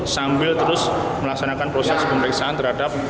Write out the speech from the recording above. sambil terus melaksanakan proses pemeriksaan terhadap